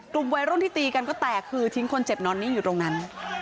กลุ่มวัยรุ่นที่ตีกันก็แตกคือทิ้งคนเจ็บนอนนิ่งอยู่ตรงนั้น